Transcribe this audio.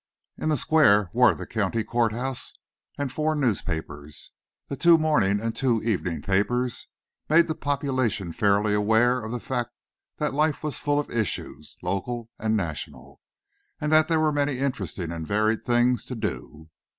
In the square were the county court house and four newspapers. These two morning and two evening papers made the population fairly aware of the fact that life was full of issues, local and national, and that there were many interesting and varied things to do.